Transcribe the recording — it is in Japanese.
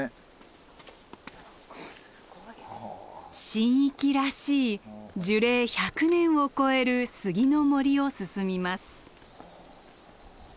神域らしい樹齢１００年を超える杉の森を進みます。